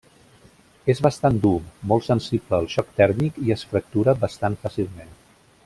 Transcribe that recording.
És bastant dur, molt sensible al xoc tèrmic i es fractura bastant fàcilment.